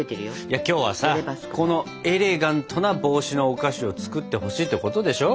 今日はさエレガントな帽子のお菓子を作ってほしいってことでしょ？